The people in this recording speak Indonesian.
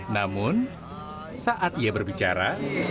namun saat ia berbicara